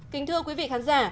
kính thưa quý vị khán giả